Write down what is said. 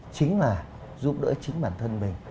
chính là giúp đỡ chính bản thân mình